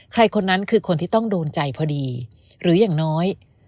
คนนั้นคือคนที่ต้องโดนใจพอดีหรืออย่างน้อย